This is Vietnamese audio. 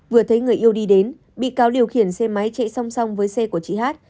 vừa thấy người yêu đi đến bị cáo điều khiển xe máy chạy song song với xe của chị hát